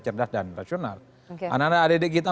cerdas dan rasional anak anak adik kita